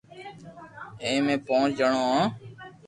ائمي امي پونچ جڻو ھون